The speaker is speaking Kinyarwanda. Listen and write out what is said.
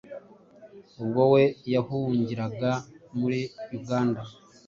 ubwo we yahungiraga muri Uganda.